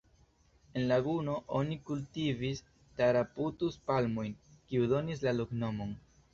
En laguno oni kultivis Taraputus-palmojn, kiu donis la loknomon.